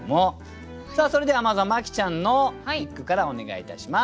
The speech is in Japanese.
それではまずは麻貴ちゃんの一句からお願いいたします。